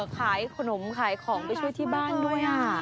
ขายขนมขายของไปช่วยที่บ้านด้วย